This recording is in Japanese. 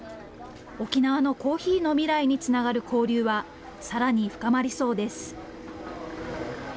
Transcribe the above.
沖縄のコーヒーの未来につながる交流はさらに深まりそうです。